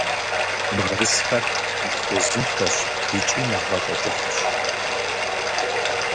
Бгырысхэр нэхъ узыншэщ икӏи нэхъ гъащӀэ кӀыхьщ.